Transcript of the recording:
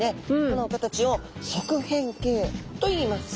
この形を側扁形といいます。